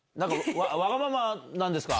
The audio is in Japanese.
わがままなんですか？